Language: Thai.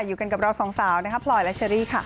อยู่กันกับเราสองสาวนะคะพลอยและเชอรี่ค่ะ